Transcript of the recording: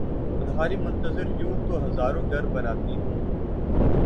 تمہاری منتظر یوں تو ہزاروں گھر بناتی ہوں